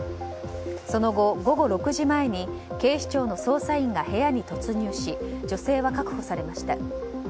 その後、午後６時前に警視庁の捜査員が部屋に突入し女性は確保されました。